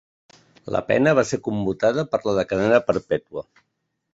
La pena va ser commutada per la de cadena perpètua.